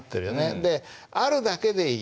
で「あるだけでいい」